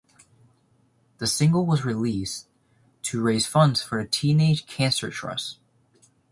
The single was released to raise funds for the Teenage Cancer Trust.